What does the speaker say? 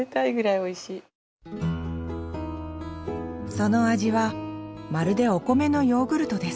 その味はまるでお米のヨーグルトです。